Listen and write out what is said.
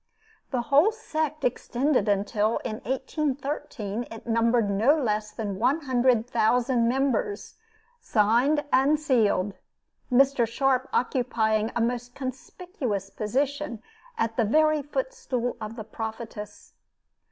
The whole sect extended until, in 1813, it numbered no less than one hundred thousand members, signed and "sealed" Mr. Sharp occupying a most conspicuous position at the very footstool of the Prophetess.